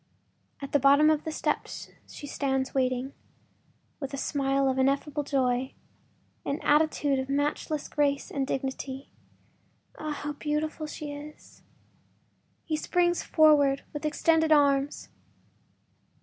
At the bottom of the steps she stands waiting, with a smile of ineffable joy, an attitude of matchless grace and dignity. Ah, how beautiful she is! He springs forwards with extended arms.